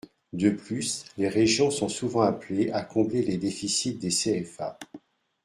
De plus, les régions sont souvent appelées à combler les déficits des CFA.